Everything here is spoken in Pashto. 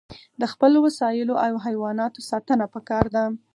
د خپلو وسایلو او حیواناتو ساتنه پکار ده.